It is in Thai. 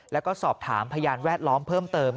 แล้วก็สอบถามพยานแวดล้อมเพิ่มเติม